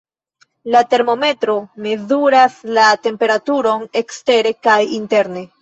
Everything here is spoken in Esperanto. La termometro mezuras la temperaturon ekstere kaj interne.